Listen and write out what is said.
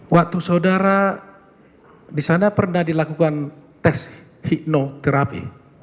waktu saudara di sana pernah dilakukan tes hipnoterapi